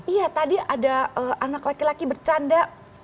iya tadi ada anak laki laki bercanda